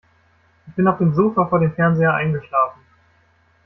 Ich bin auf dem Sofa vor dem Fernseher eingeschlafen.